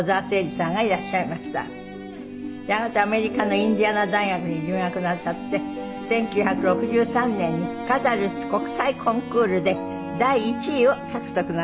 あなたはアメリカのインディアナ大学に留学なさって１９６３年にカザルス国際コンクールで第１位を獲得なさいました。